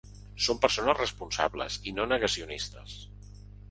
Som persones responsables i no negacionistes.